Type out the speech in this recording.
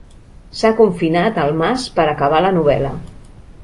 S'ha confinat al mas per acabar la novel·la.